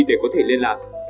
để có thể liên lạc